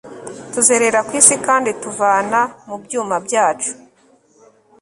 Tuzerera ku isi kandi tuvana mu byuma byacu